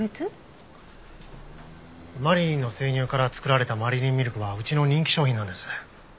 マリリンの生乳から作られたマリリンミルクはうちの人気商品なんです。